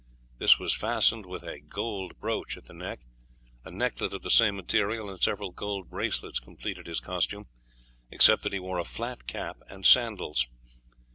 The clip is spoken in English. This was fastened with a gold brooch at the neck; a necklet of the same metal and several gold bracelets completed his costume, except that he wore a flat cap and sandals.